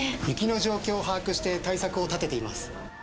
雪の状況を把握して対策を立てています。